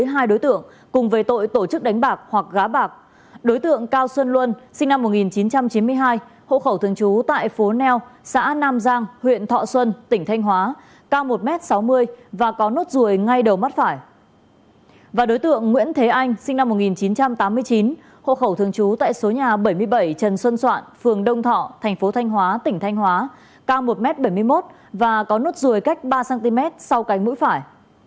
hộ khẩu thường trú tại số nhà bảy mươi bảy trần xuân soạn phường đông thọ thành phố thanh hóa tỉnh thanh hóa cao một m bảy mươi một và có nốt ruồi cách ba cm sau cánh mũi phải